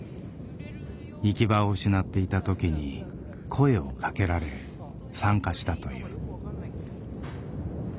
行き場を失っていた時に声をかけられ参加したという。